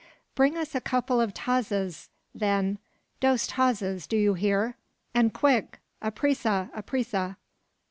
"Bring us a couple of tazas, then dos tazas, do you hear? and quick aprisa! aprisa!"